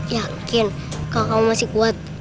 yakin kalau kamu masih kuat